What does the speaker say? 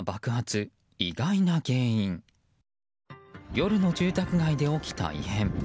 夜の住宅街で起きた異変。